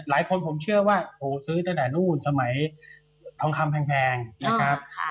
หลายคนผมเชื่อว่าโหซื้อตั้งแต่นู่นสมัยทองคำแพงนะครับ